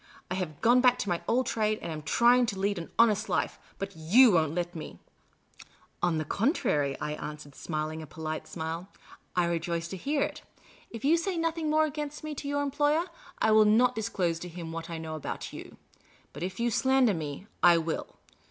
" I have gone back to my old trade, and am trying to lead an honest life ; hxxiyoii won't let me." On the contrary," I answered, smiling a polite smile, " I rejoice to hear it. If you say nothing more against me to your employer, I will not disclose to him what I know about you. But if you slander me, I will.